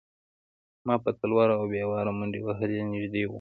ما په تلوار او بې واره منډې وهلې نږدې و.